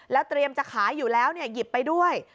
แล้วเตรียมจะขายอยู่แล้วหยิบไปด้วย